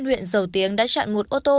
huyện giầu tiếng đã chặn một ô tô